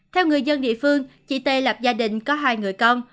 theo người dân địa phương chị tê lập gia đình có hai người con